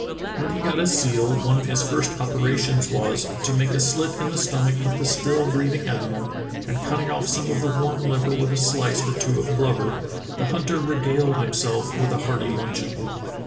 When he got a seal one of his first operations was "to make a slit in the stomach of the still breathing animal, and cutting off some of the warm liver with a slice or two of blubber, the hunter regaled himself with a hearty luncheon.'